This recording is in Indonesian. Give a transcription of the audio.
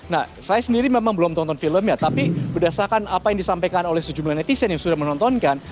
nah saya sendiri memang belum menonton filmnya tapi berdasarkan apa yang disampaikan oleh sejumlah netizen yang sudah menontonkan